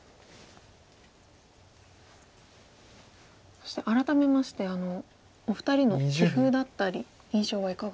そして改めましてお二人の棋風だったり印象はいかがですか？